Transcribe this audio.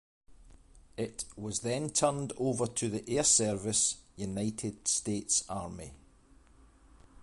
It was then turned over to the Air Service, United States Army.